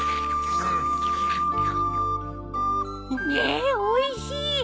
えおいしい！